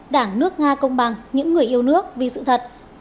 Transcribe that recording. đảng đảng độ nga công bằng những người yêu nước vì sự thật năm hai đồng